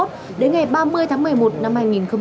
đến ngày ba mươi tháng một mươi một năm hai nghìn hai mươi